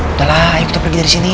udah lah ayo kita pergi dari sini